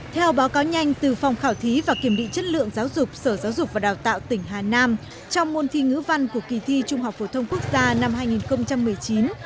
theo báo cáo nhanh từ phòng khảo thí và kiểm định chất lượng giáo dục sở giáo dục và đào tạo tỉnh hà nam trong môn thi ngữ văn của kỳ thi trung học phổ thông quốc gia năm hai nghìn một mươi chín